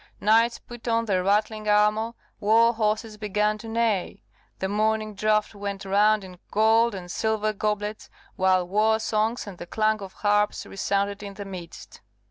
Knights put on their rattling armour, war horses began to neigh, the morning draught went round in gold and silver goblets, while war songs and the clang of harps resounded in the midst.